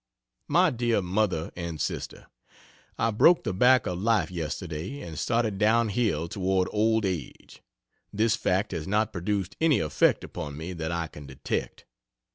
MY DEAR MOTHER AND SISTER, I broke the back of life yesterday and started down hill toward old age. This fact has not produced any effect upon me that I can detect.